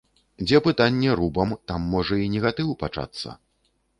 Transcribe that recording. Дзе пытанне рубам, там можа і негатыў пачацца.